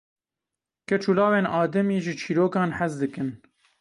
Keç û lawên ademî ji çîrokan hez dikin.